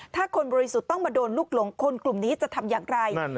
ถ้าคนบริสุทธิ์ต้องมาโดนลูกหลงคนกลุ่มนี้จะทำอย่างไร